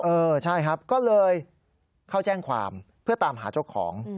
เออใช่ครับก็เลยเข้าแจ้งความเพื่อตามหาเจ้าของ